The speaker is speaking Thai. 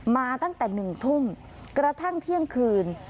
มาตั้งแต่๑ทุ่มกระทั่งเที่ยงคืน